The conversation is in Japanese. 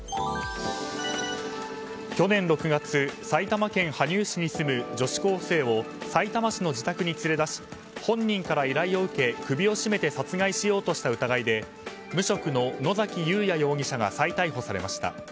去年６月埼玉県羽生市に住む女子高生をさいたま市の自宅に連れ出し本人から依頼を受け首を絞めて殺害しようとした疑いで無職の野崎裕也容疑者が再逮捕されました。